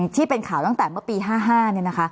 ที่เป็นข่าวตั้งแต่เมื่อปี๕๕เนี่ยนะคะ